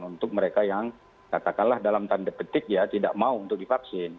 untuk mereka yang katakanlah dalam tanda petik ya tidak mau untuk divaksin